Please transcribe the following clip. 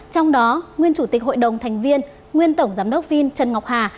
trong đó nguyên chủ tịch hội đồng thành viên nguyên tổng giám đốc vin trần ngọc hà